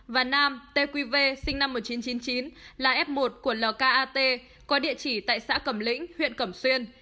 và nam tqv sinh năm một nghìn chín trăm chín mươi chín là f một của lk có địa chỉ tại xã cẩm lĩnh huyện cẩm xuyên